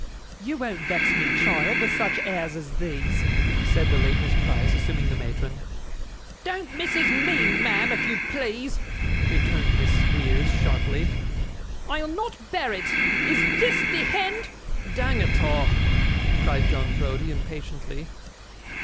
'You won't vex me, child, with such airs as these,' said the late Miss Price, assuming the matron. 'Don't MISSIS me, ma'am, if you please,' returned Miss Squeers, sharply. 'I'll not bear it. Is THIS the hend ' 'Dang it a',' cried John Browdie, impatiently.